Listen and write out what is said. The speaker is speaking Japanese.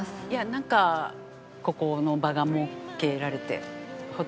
なんかここの場が設けられて。